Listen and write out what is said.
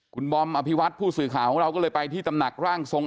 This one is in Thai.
คุณบอมอภิวัตผู้สื่อข่าวของเราก็เลยไปที่ตำหนักร่างทรง